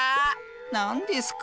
なんですか？